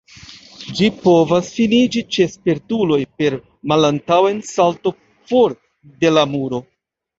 Ĝi povas finiĝi ĉe spertuloj per malantaŭen-salto for de la muro.